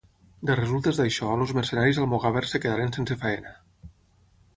De resultes d'això els mercenaris almogàvers es quedaren sense feina.